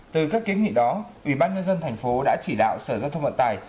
từ các kiến nghị đó ủy ban nhân dân tp đã chỉ đạo sở giao thông vận tải